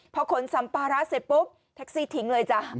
พอขนสัมภาระเสร็จปุ๊บแท็กซี่ทิ้งเลยจ้ะ